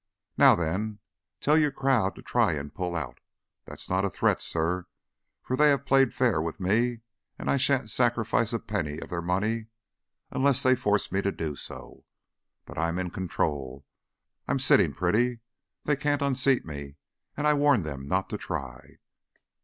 Now then, tell your crowd to try and pull out! That's not a threat, sir, for they have played fair with me, and I sha'n't sacrifice a penny of their money unless they force me to do so. But I'm in control. I'm sitting pretty. They can't unseat me, and I warn them not to try."